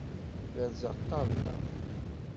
Berzeɣ ṭṭabla.